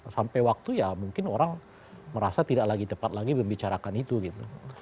sampai waktu ya mungkin orang merasa tidak lagi tepat lagi membicarakan itu gitu